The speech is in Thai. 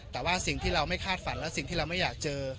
แต่ว่าสิ่งที่เราไม่คาดฝันและสิ่งที่เราไม่อยากเจอ